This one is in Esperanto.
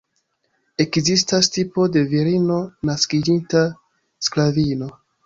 Ekzistas tipo de virino naskiĝinta sklavino.